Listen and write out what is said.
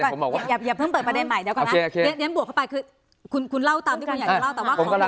ผมไม่ได้บอกว่าไม่มีทหาร